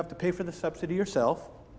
anda harus meminta subsidi sendiri